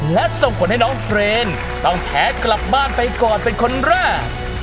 และส่งผลให้น้องเฟรนต้องแพ้กลับบ้านไปก่อนเป็นคนแรก